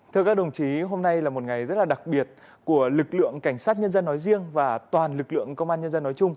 thưa các đồng chí hôm nay là một ngày rất là đặc biệt của lực lượng cảnh sát nhân dân nói riêng và toàn lực lượng công an nhân dân nói chung